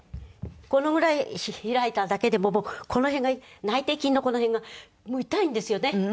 このぐらい開いただけでもこの辺が内転筋のこの辺が痛いんですよね。